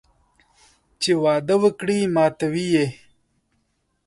چې وعده وکړي ماتوي یې